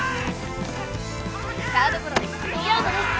サードゴロでスリーアウトです